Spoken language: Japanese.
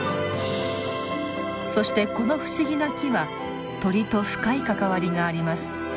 そしてこの不思議な木は鳥と深い関わりがあります。